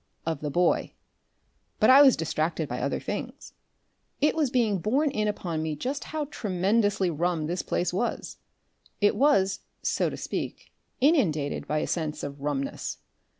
of the boy. But I was distracted by other things. It was being borne in upon me just how tremendously rum this place was; it was, so to speak, inundated by a sense of rumness.